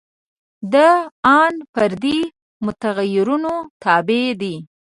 دا ان فردي متغیرونو تابع دي.